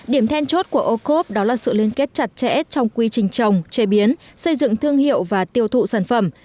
điểm then chốt của ô cốp đó là sự liên kết chặt chẽ trong quy trình trồng chế biến xây dựng thương hiệu và tiêu thụ sản phẩm